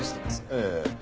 ええ。